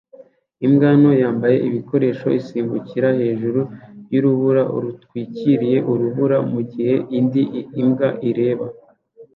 Imbwa nto yambaye ibikoresho isimbukira hejuru yurubura rutwikiriye urubura mugihe indi mbwa ireba